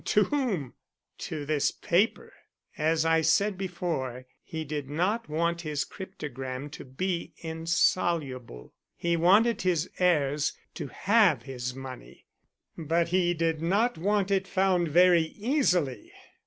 "To whom?" "To this paper. As I said before, he did not want his cryptogram to be insoluble; he wanted his heirs to have his money, but he did not want it found very easily.